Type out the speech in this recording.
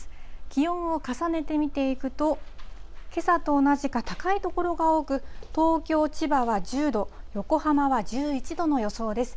気温を重ねて見ていくと、けさと同じか高い所が多く、東京、千葉は１０度、横浜は１１度の予想です。